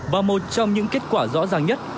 và một trong những kết quả rõ ràng nhất